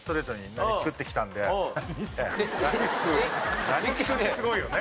何スクってすごいよね。